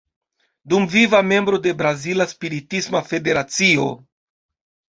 Dumviva membro de Brazila Spiritisma Federacio.